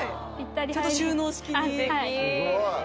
ちゃんと収納式に？